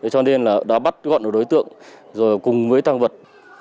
cho nên là đã bắt gọn được đối tượng rồi cùng với tăng vật